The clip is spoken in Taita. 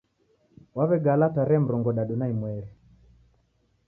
Waw'egala tarehe murongodadu na imweri